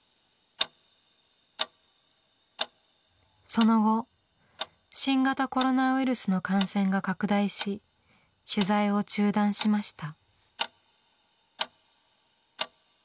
その後新型コロナウイルスの感染が拡大し取材を中断しました。